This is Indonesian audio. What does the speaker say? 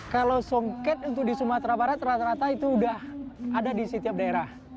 kalau songket untuk di sumatera barat rata rata itu sudah ada di setiap daerah